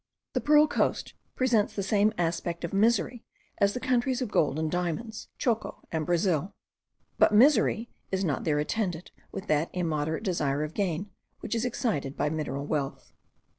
The Pearl Coast presents the same aspect of misery as the countries of gold and diamonds, Choco and Brazil; but misery is not there attended with that immoderate desire of gain which is excited by mineral wealth.